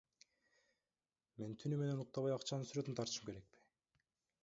Мен түнү менен уктабай акчанын сүрөтүн тартышым керекпи?